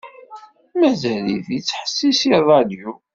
Mazal-it ittḥessis i ṛṛadyu.